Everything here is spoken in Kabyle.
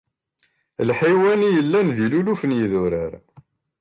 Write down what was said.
Lḥiwan i yellan di luluf n yidurar.